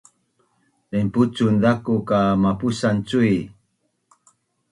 Denpucun ku ka mapusan cui